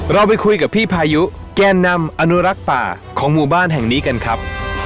เราไปคุยกับพี่พายุแก่นำอนุรักษ์ป่าของหมู่บ้านแห่งนี้กันครับ